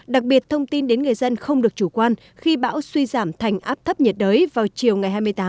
đặc biệt thông tin đến người dân không được chủ quan khi bão suy giảm thành áp thấp nhiệt đới vào chiều ngày hai mươi tám